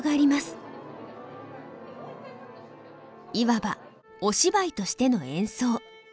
いわば「お芝居」としての演奏。